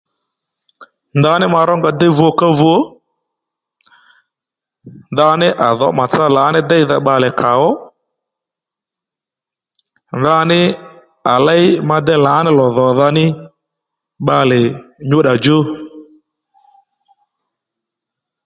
Ndaní ma rónga déy vukávu ndaní à dhǒ màtsá lǎní déydha bbalè kàó ndaní à léy ma déy lǎní lò dhodha ní bbalè nyúddà djú